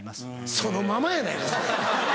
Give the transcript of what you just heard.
そのままやないか！